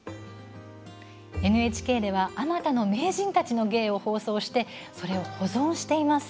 ＮＨＫではあまたの名人たちの芸を放送してそれを保存しています。